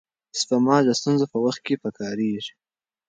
سپما د ستونزو په وخت کې پکارېږي.